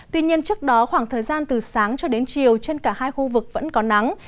tuy nhiên trước đó khoảng thời gian từ sáng cho đến chiều trên cả hai khu vực vẫn có nắng